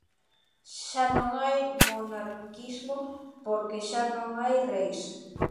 Xa non hai monarquismo porque xa non hai reis.